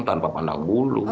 tanpa pandang bulu